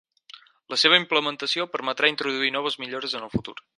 La seva implementació permetrà introduir noves millores en el futur.